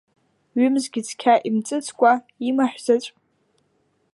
Ҩымзгьы цқьа имҵыцкәа, имаҳәзаҵә…